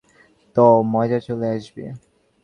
তো মজা চলে আসবে।